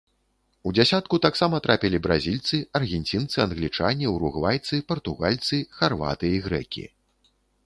У дзясятку таксама трапілі бразільцы, аргенцінцы, англічане, уругвайцы, партугальцы, харваты і грэкі.